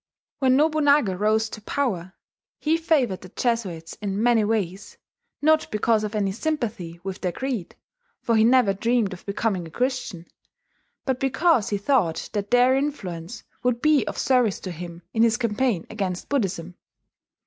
When Nobunaga rose to power, he favoured the Jesuits in many ways not because of any sympathy with their creed, for he never dreamed of becoming a Christian, but because he thought that their influence would be of service to him in his campaign against Buddhism.